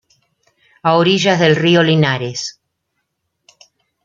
A orillas del río Linares.